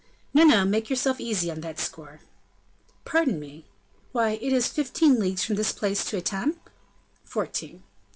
"No, no, make yourself easy on that score." "Pardon me. Why, it is fifteen leagues from this place to Etampes?" "Fourteen."